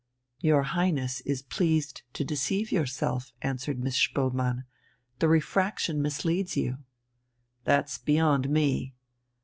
"Your Highness is pleased to deceive yourself," answered Miss Spoelmann. "The refraction misleads you." "That's beyond me."